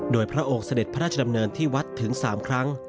โดยพระองค์เสด็จพระราชดำเนินที่วัดถึง๓ครั้ง